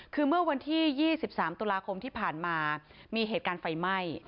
คือเมื่อวันที่๒๓ตุลาคมที่ผ่านมามีเหตุการณ์ไฟไหม้